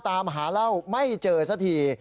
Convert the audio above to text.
ตามหาเหล้าไม่เจอสักที